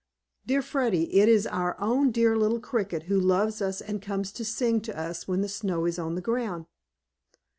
"Dear Freddy, it is our own dear little cricket, who loves us and comes to sing to us when the snow is on the ground."